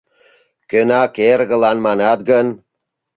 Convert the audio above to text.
Кӧнак эргылан манат гын